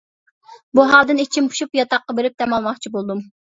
بۇ ھالدىن ئىچىم پۇشۇپ، ياتاققا بېرىپ دەم ئالماقچى بولدۇم.